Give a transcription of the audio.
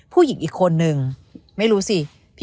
ผู้หญิงอีกคนนึงไม่รู้สิ